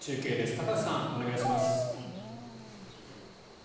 高橋さん、お願いします。